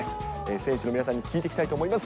選手の皆さんに聞いていきたいと思います。